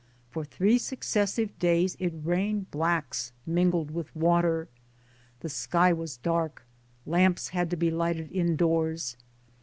For three successive days it rained blacks mingled with water 1 The sky was dark. Lamps had to be lighted indoors.